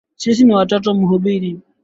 Sisi ni watoto wa mhubiri.